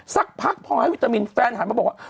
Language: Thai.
สักพักพอให้วิตามินแฟนหันมาบอกว่า